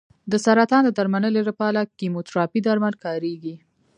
د سرطان د درملنې لپاره کیموتراپي درمل کارېږي.